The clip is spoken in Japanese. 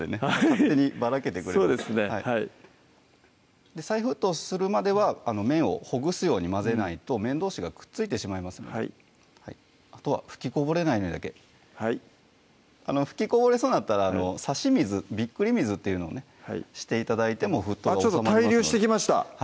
勝手にばらけてくれてそうですねはい再沸騰するまでは麺をほぐすように混ぜないと麺どうしがくっついてしまいますのであとは吹きこぼれないようにだけはい吹きこぼれそうになったら差し水びっくり水っていうのをねして頂いても対流してきました